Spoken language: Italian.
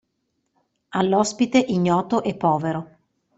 All'ospite ignoto e povero.